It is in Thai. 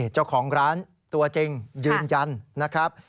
เจ้าของร้านตัวจริงยืนยันนะครับ